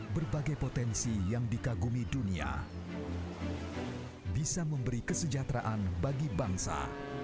berbagai potensi yang dikagumi dunia bisa memberi kesejahteraan bagi bangsa